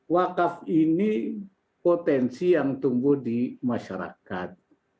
wakaf ini potensi yang tumbuh di masyarakat